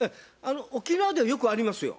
沖縄ではよくありますよ。